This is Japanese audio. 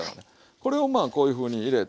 これをまあこういうふうに入れて。